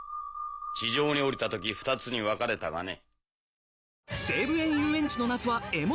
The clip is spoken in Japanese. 地上に降りた時２つに分かれたがね。